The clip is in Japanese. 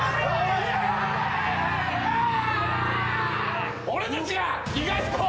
いやぁー！